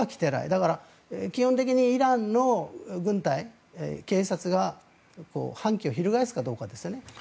だから基本的にイランの軍隊警察が反旗を翻すかどうかですね。